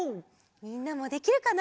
みんなもできるかな？